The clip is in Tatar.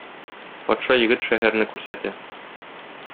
Патша егет шәһәрне күрсәтә.